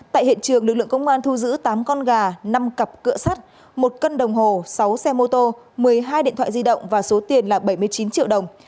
tại hiện trường lực lượng công an thu giữ tám con gà năm cặp cửa sắt một cân đồng hồ sáu xe mô tô một mươi hai điện thoại di động và số tiền là bảy mươi chín triệu đồng